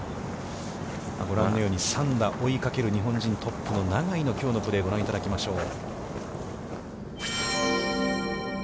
ご覧のように、３打追いかける日本人トップの永井のきょうのプレーをご覧いただきましょう。